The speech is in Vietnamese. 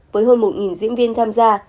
với hơn một diễn viên tham gia